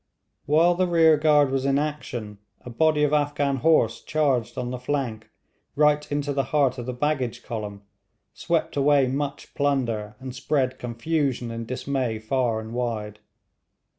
While the rear guard was in action, a body of Afghan horse charged on the flank, right into the heart of the baggage column, swept away much plunder, and spread confusion and dismay far and wide.